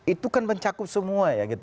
itu kan mencakup semua ya gitu kan